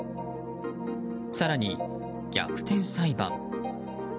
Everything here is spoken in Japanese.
更に、「逆転裁判」。